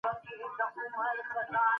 سياسي ډلي به په خپلو منځو کي جوړجاړی کوي.